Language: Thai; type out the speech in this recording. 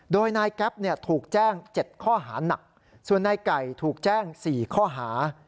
โดยนายแก๊ปถูกแจ้ง๗ข้อหานักส่วนนายไก่ถูกแจ้ง๔ข้อหา